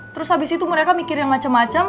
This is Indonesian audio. terus abis itu mereka mikir yang macem macem